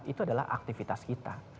itu adalah aktivitas kita